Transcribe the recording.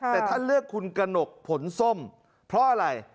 แต่ท่านเลือกคุณกระหนกผลส้มเพราะอะไร